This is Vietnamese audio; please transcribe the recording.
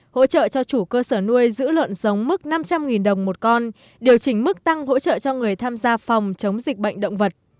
hỗ trợ cho chủ cơ sở nuôi giữ lợn giống mức năm trăm linh đồng một con điều chỉnh mức tăng hỗ trợ cho người tham gia phòng chống dịch bệnh động vật